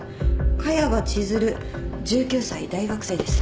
萱場千寿留１９歳大学生です。